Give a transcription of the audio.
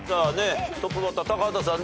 トップバッター高畑さん